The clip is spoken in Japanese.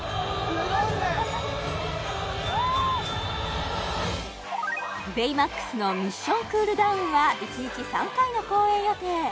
すごいねベイマックスのミッション・クールダウンは１日３回の公演予定